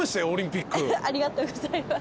ありがとうございます。